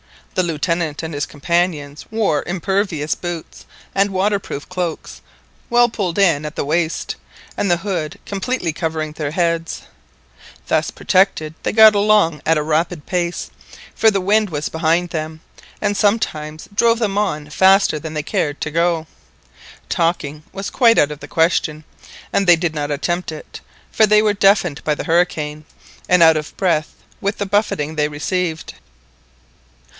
The Lieutenant and his companion wore impervious boots and water proof cloaks well pulled in at the waist, and the hood completely covering their heads. Thus protected they got along at a rapid pace, for the wind was behind them, and sometimes drove them on rather faster than they cared to go. Talking was quite out of the question, and they did not attempt it, for they were deafened by the hurricane, and out of breath with the buffeting they received.